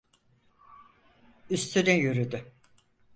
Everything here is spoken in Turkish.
Üstüne yürüdü!